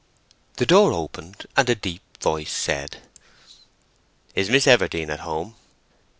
The door opened, and a deep voice said— "Is Miss Everdene at home?"